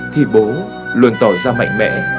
thì bố luôn tỏ ra mạnh mẽ